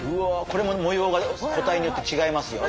これも模様が個体によって違いますよ